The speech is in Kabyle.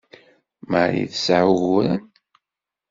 Marie tesɛa uguren?